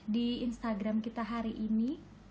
di instagram kita hari ini